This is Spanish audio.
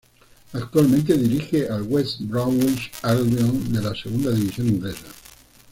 Actualmente dirige al West Bromwich Albion de la Segunda División inglesa.